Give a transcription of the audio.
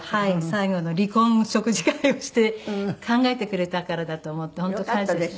最後の離婚食事会をして考えてくれたからだと思って本当感謝してます。